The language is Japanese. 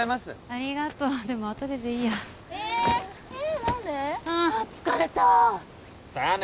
ありがとうでも後ででいいやえっああ疲れた佐弥姉